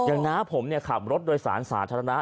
น้าผมขับรถโดยสารสาธารณะ